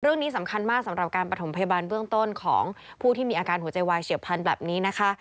เรื่องนี้สำคัญมากสำหรับการประถมพยาบาลเบื้องต้นของผู้ที่มีอาการหัวใจวายเฉียบพันธุ์แบบนี้นะคะ